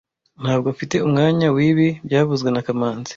Ntabwo mfite umwanya wibi byavuzwe na kamanzi